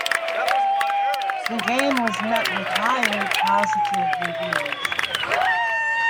The game was met with highly positive reviews.